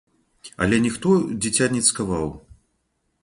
Але ніхто дзіця не цкаваў.